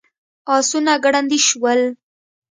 آسونه ګړندي شول.